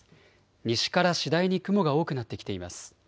西から次第に雲が多くなってきています。